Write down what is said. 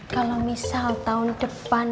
kalau misal tahun depan